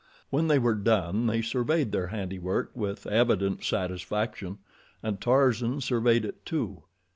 When they were done they surveyed their handiwork with evident satisfaction, and Tarzan surveyed it, too.